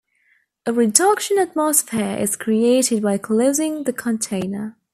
A reduction atmosphere is created by closing the container.